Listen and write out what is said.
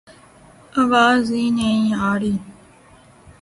آواز ہی نہیں آرہی